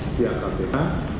ibu diang anggra